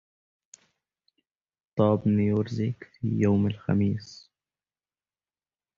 طاب نيروزك في يوم الخميس